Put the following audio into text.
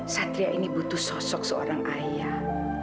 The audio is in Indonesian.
satria ini butuh sosok seorang ayah